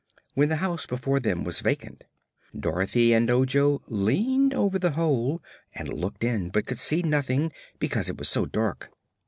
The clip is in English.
When the house before them was vacant, Dorothy and Ojo leaned over the hole and looked in, but could see nothing because it was so dark.